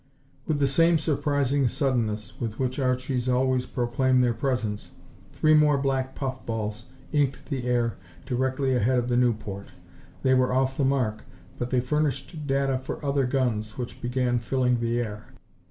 With the same surprising suddenness with which Archies always proclaim their presence, three more black puff balls inked the air directly ahead of the Nieuport. They were off the mark, but they furnished data for other guns which began filling the air.